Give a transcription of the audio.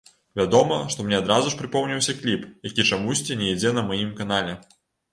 Вядома, што мне адразу ж прыпомніўся кліп, які чамусьці не ідзе на маім канале.